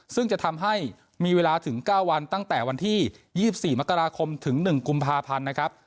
ซึ่งจะทำให้มีเวลาถึง๙วันตั้งแต่วันที่๒๔มกราคมถึง๑กุมภาพันธ์นะครับ